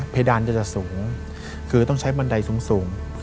เพดานจะสูงต้องใช้บันไดสูง